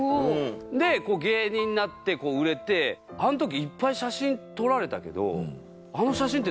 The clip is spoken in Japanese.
で芸人になってこう売れてあの時いっぱい写真撮られたけど。